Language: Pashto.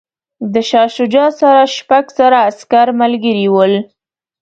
د شاه شجاع سره شپږ زره عسکر ملګري ول.